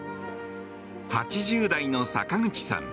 ８０代の坂口さん。